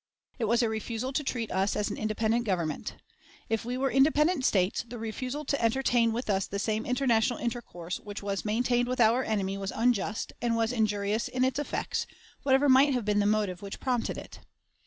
It was a refusal to treat us as an independent government. If we were independent States, the refusal to entertain with us the same international intercourse which was maintained with our enemy was unjust, and was injurious in its effects, whatever might have been the motive which prompted it.